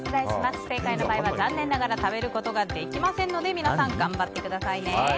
不正解の場合は残念ながら食べることができませんので皆さん、頑張ってくださいね。